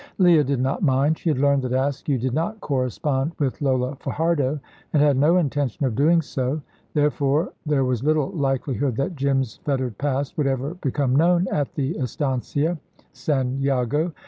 Leah did not mind. She had learned that Askew did not correspond with Lola Fajardo, and had no intention of doing so; therefore there was little likelihood that Jim's fettered past would ever become known at the Estancia, San Jago.